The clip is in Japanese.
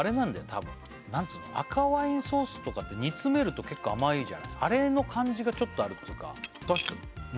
たぶん何つうの赤ワインソースとかって煮詰めると結構甘いじゃないあれの感じがちょっとあるっていうかね